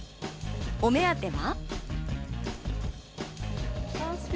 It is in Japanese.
お目当ては。